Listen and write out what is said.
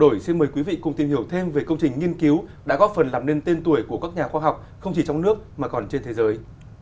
rồi xin mời quý vị cùng tìm hiểu thêm về công trình nghiên cứu đã góp phần làm nên tên tuổi của các nhà khoa học không chỉ trong nước mà còn trên thế giới